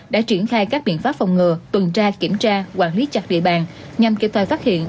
đã triển khai các biện pháp phong ngừa tuần tra kiểm tra quản lý chặt địa bàn nhằm kiểm tra phát hiện